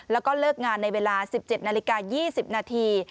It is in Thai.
แล้วก็เลิกงานในเวลา๑๗นาฬิกา๒๐นาที